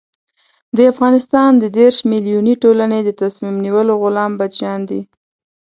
د افغانستان د دېرش ملیوني ټولنې د تصمیم نیولو غلام بچیان دي.